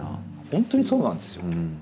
ほんとにそうなんですよ。